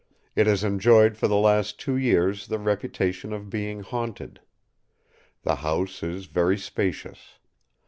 It has enjoyed for the last two years the reputation of being haunted. The house is very spacious.